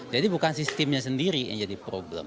jadi bukan sistemnya sendiri yang jadi problem